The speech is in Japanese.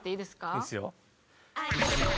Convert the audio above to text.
いいですよ。